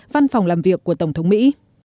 văn phòng làm việc của tổng thống mỹ